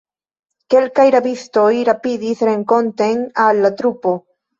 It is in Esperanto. Kelkaj rabistoj rapidis renkonten al la trupo.